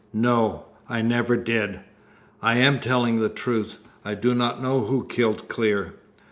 "No! I never did! I am telling the truth! I do not know who killed Clear."